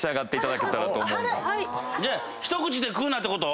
一口で食うなってこと？